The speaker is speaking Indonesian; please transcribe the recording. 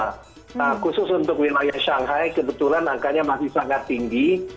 nah khusus untuk wilayah shanghai kebetulan angkanya masih sangat tinggi